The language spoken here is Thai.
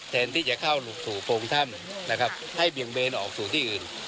แทนที่จะเข้าสู่โพรงถ้ำนะครับให้เบี่ยงเบนออกสู่ที่อื่น